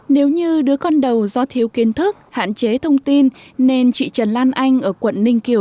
nếu như đứa con đầu do thiếu kiến thức hạn chế thông tin nên chị trần lan anh ở quận ninh kiều